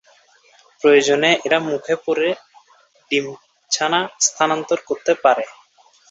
প্রয়োজনে এরা মুখে পুরে ডিম-ছানা স্থানান্তর করতে পারে।